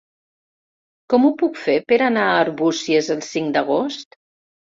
Com ho puc fer per anar a Arbúcies el cinc d'agost?